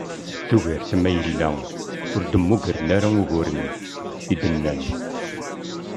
Tugart ma yella ur d-muggren ara uguren, i d-nnan.